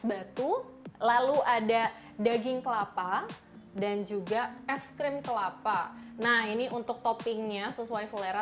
batu lalu ada daging kelapa dan juga es krim kelapa nah ini untuk toppingnya sesuai selera